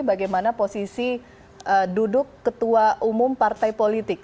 bagaimana posisi duduk ketua umum partai politik